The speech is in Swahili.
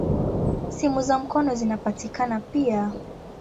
Simu za mkono zinapatikana pia.